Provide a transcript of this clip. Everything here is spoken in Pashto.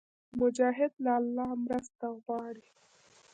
مجاهد له الله مرسته غواړي.